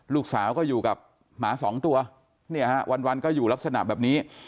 ลูกสาวก็อยู่กับหมาสองตัวเนี่ยฮะวันก็อยู่ลักษณะแบบนี้